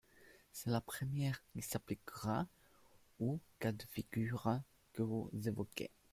C’est la première qui s’appliquera au cas de figure que vous évoquez.